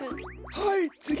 はいつぎ。